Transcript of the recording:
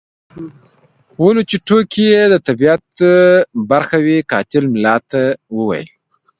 ولو چې ټوکې یې د طبیعت برخه وې قاتل ملا ته وویل.